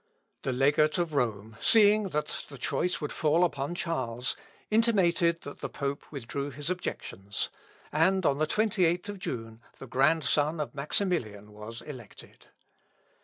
The legate of Rome seeing that the choice would fall upon Charles, intimated that the pope withdrew his objections; and on the 28th of June, the grandson of Maximilian was elected.